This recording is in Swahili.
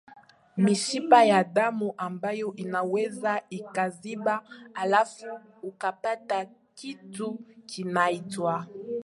mishipa ya damu ambayo inaweza ikaziba halafu ukapata kitu kinaitwa